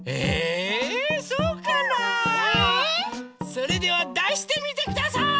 それではだしてみてください！